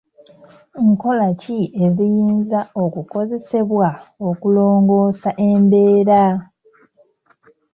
Nkola ki eziyinza okukozesebwa okulongoosa embeera?